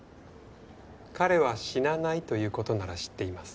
彼は死なないという事なら知っています。